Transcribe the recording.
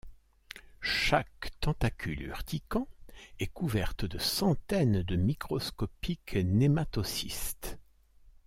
Chaque tentacule urticant est couverte de centaines de microscopiques nématocystes.